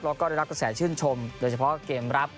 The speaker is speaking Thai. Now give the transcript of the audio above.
แล้วก็ได้รับกระแสชื่นชมโดยเฉพาะเกมรับ